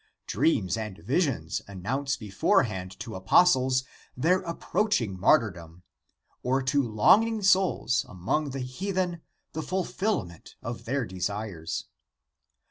Dreams and visions announce beforehand to apostles their approaching martyrdom, or to longing souls among the heathen the fulfillment of their desires.